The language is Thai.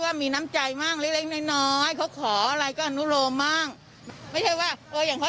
ไม่มีคนมาเงี้ยพี่ล๊อกพวกเขาไปเสดเขาไม่มีใครว่าถูกปะ